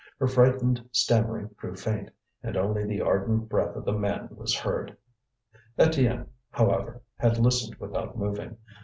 Her frightened stammering grew faint, and only the ardent breath of the man was heard. Étienne, however, had listened without moving.